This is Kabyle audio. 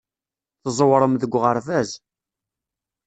Tẓewrem deg uɣerbaz.